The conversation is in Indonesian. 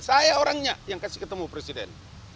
saya orangnya yang kasih ketemu presiden